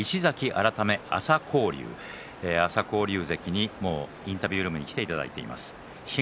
改め朝紅龍朝紅龍関にインタビュールームに来ていただいています。